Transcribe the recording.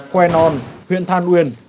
khoe non huyện than uyên